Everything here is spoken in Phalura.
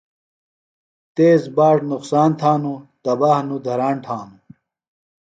تیز باݜ نُقصان تھانوۡ، تباہ نوۡ دھراݨ تھانوۡ